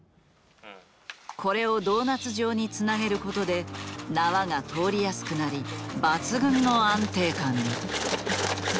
これをドーナツ状につなげることで縄が通りやすくなり抜群の安定感に。